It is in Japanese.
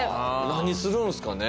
何するんすかね